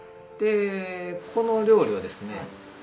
この料理はですね